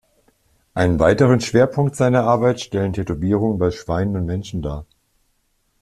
Einen weiteren Schwerpunkt seiner Arbeit stellen Tätowierungen bei Schweinen und Menschen dar.